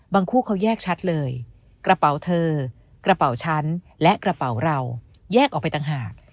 คู่เขาแยกชัดเลยกระเป๋าเธอกระเป๋าฉันและกระเป๋าเราแยกออกไปต่างหาก